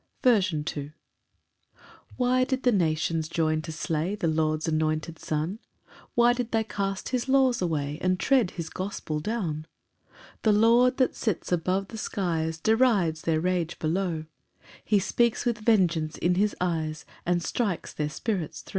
C. M. The same. 1 Why did the nations join to slay The Lord's anointed Son? Why did they cast his laws away, And tread his gospel down? 2 The Lord that sits above the skies, Derides their rage below, He speaks with vengeance in his eyes, And strikes their spirits thro'.